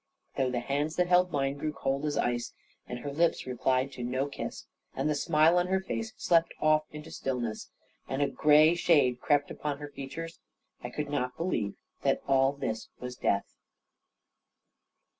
Though the hands that held mine grew cold as ice, and her lips replied to no kiss, and the smile on her face slept off into stillness, and a grey shade crept on her features; I could not believe that all this was death.